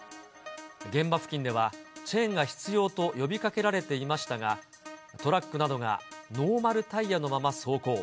現場付近では、チェーンが必要と呼びかけられていましたが、トラックなどがノーマルタイヤのまま走行。